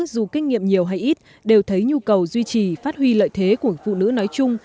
dù kinh nghiệm nhiều hay ít đều thấy nhu cầu duy trì phát huy lợi thế của phụ nữ nói chung